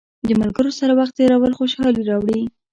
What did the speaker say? د ملګرو سره وخت تېرول خوشحالي راوړي.